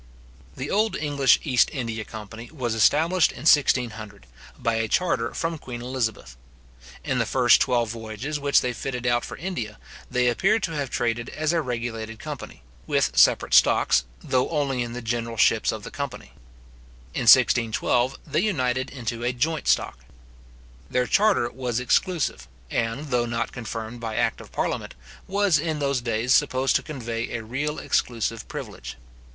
The old English East India company was established in 1600, by a charter from Queen Elizabeth. In the first twelve voyages which they fitted out for India, they appear to have traded as a regulated company, with separate stocks, though only in the general ships of the company. In 1612, they united into a joint stock. Their charter was exclusive, and, though not confirmed by act of parliament, was in those days supposed to convey a real exclusive privilege.